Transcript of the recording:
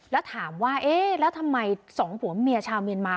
แล้วถามว่าทำไม๒ผู้หมาเมียชาวเมียนมา